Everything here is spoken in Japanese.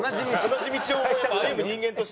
同じ道を歩む人間としては。